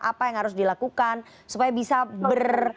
apa yang harus dilakukan supaya bisa ber